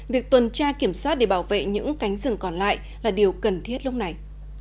việc tuần tra kiểm soát để bảo vệ những cánh rừng còn lại là điều cần thiết lúc này